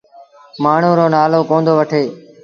مآڻهوٚݩ رو نآلو ڪوندو وٺي۔